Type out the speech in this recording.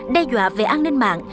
đe dọa về an ninh mạng